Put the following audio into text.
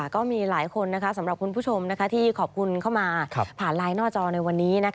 ก็มีหลายคนสำหรับคุณผู้ชมที่ขอบคุณเข้ามาผ่านไลน์หน้าจอในวันนี้